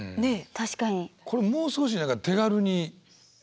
確かに。